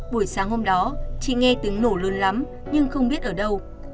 buổi sáng hôm đó chị nghe tiếng nổ luôn lắm nhưng không biết ở đâu